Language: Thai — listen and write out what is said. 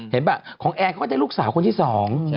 ป่ะของแอร์เขาก็ได้ลูกสาวคนที่สอง